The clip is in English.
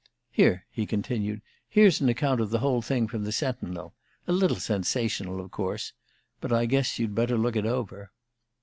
"Here," he continued, "here's an account of the whole thing from the 'Sentinel' a little sensational, of course. But I guess you'd better look it over."